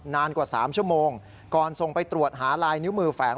นานกว่า๓ชั่วโมงก่อนส่งไปตรวจหาลายนิ้วมือแฝง